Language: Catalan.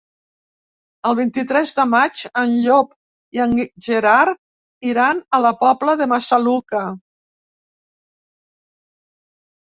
El vint-i-tres de maig en Llop i en Gerard iran a la Pobla de Massaluca.